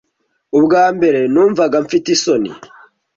Ubwa mbere numvaga mfite isoni